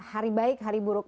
hari baik hari buruk